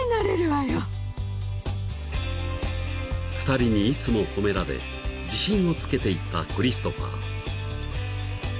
［２人にいつも褒められ自信をつけていったクリストファー］